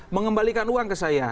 mengembalikan uang ke saya